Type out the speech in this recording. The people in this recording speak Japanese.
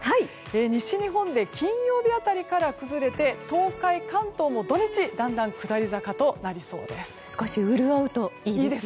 西日本で金曜日辺りから崩れて東海、関東で土日だんだん下り坂となりそうです。